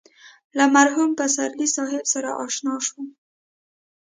له مرحوم پسرلي صاحب سره اشنا شوم.